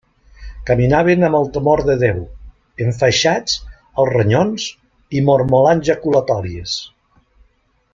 Caminaven amb el temor de Déu, enfaixats els renyons i mormolant jaculatòries.